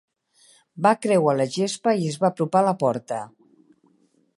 Va creuar la gespa i es va apropar a la porta.